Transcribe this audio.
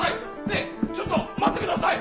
ねぇちょっと待ってください！